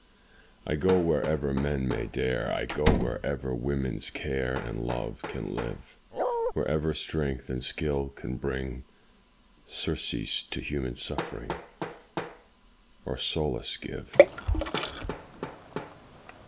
I go wherever men may dare, I go wherever woman's care And love can live, Wherever strength and skill can bring Surcease to human suffering, Or solace give.